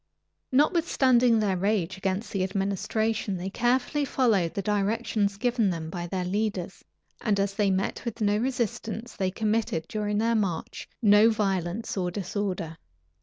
Notwithstanding their rage against the administration, they carefully followed the directions given them by their leaders; and as they met with no resistance, they committed, during their march, no violence or disorder.